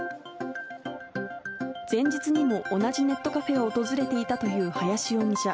前日にも同じネットカフェを訪れていたという林容疑者。